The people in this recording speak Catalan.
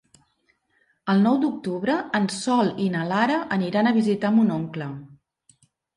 El nou d'octubre en Sol i na Lara aniran a visitar mon oncle.